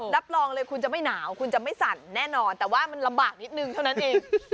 รับรองเลยคุณจะไม่หนาวคุณจะไม่สั่นแน่นอนแต่ว่ามันลำบากนิดนึงเท่านั้นเอง